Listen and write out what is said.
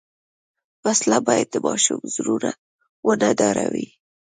وسله باید د ماشوم زړونه ونه ډاروي